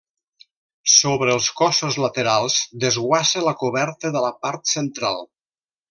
Sobre els cossos laterals desguassa la coberta de la part central.